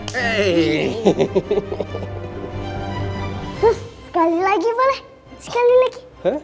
hei sekali lagi boleh sekali lagi